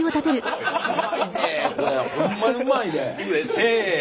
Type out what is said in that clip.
せの。